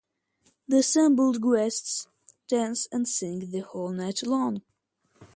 The assembled guests dance and sing the whole night long.